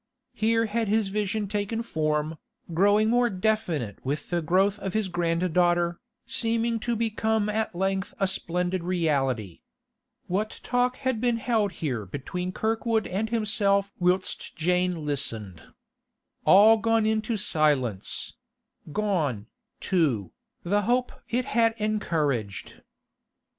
Here had his vision taken form, growing more definite with the growth of his granddaughter, seeming to become at length a splendid reality. What talk had been held here between Kirkwood and himself whilst Jane listened! All gone into silence; gone, too, the hope it had encouraged.